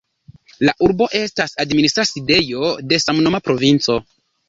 La urbo estas la administra sidejo de samnoma provinco.